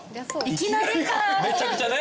「いきなりか」